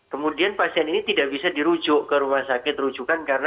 kemudian pasien ini tidak bisa dirujuk ke rumah sakit rujukan karena